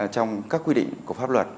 trong các quy định của pháp luật